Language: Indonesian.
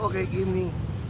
oh seperti ini